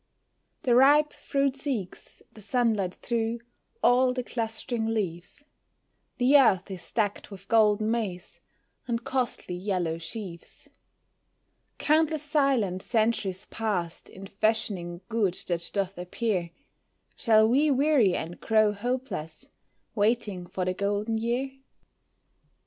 The ripe fruit seeks the sunlight through all the clustering leaves The earth is decked with golden maize, and costly yellow sheaves. Countless silent centuries passed in fashioning good that doth appear, Shall we weary and grow hopeless, waiting for the Golden Year?